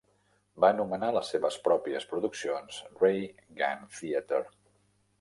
Va anomenar les seves pròpies produccions "Ray Gun Theater".